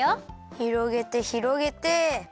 ひろげてひろげてできた！